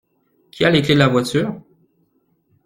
Qui a les clés de la voiture?